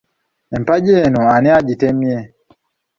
Empagi eno ani agitemye?